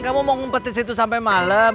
kamu mau ngumpetin situ sampai malam